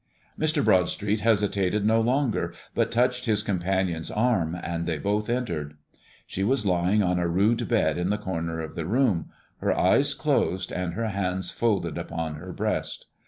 Mr. Broadstreet hesitated no longer, but touched his companion's arm, and they both entered. She was lying on a rude bed in the corner of the room, her eyes closed, and her hands folded upon her breast.